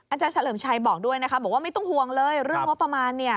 อาจารย์เฉลิมชัยบอกด้วยนะคะบอกว่าไม่ต้องห่วงเลยเรื่องงบประมาณ